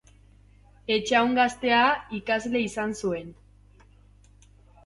Etxahun gaztea ikasle izan zuen.